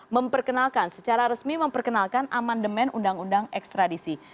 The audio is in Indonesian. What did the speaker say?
memperkenalkan secara resmi memperkenalkan amandemen undang undang ekstradisi